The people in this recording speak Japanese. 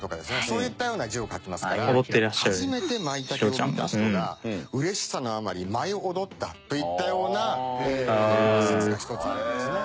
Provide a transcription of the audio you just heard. そういったような字を書きますから初めてマイタケを見た人が嬉しさのあまり舞い踊ったといったような説が一つありますね。